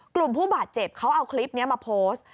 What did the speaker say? กลุ่มผู้บาดเจ็บเขาเอาคลิปนี้มาโพสต์